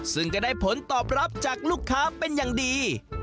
ซึ่งก็ได้ผลตอบรับจากลูกค้าเป็นอย่างดี